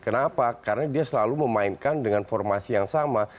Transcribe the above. kenapa karena dia selalu memainkan dengan formasi yang sama